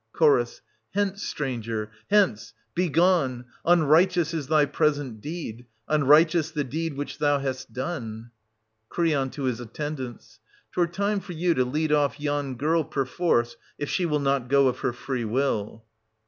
Ch. Hence, stranger, hence — begone ! Unrighteous is thy present deed — unrighteous the deed which thou hast done. Cr. {to his attendants). 'Twere time for you to lead off yon girl perforce, \i she will not go of her free will.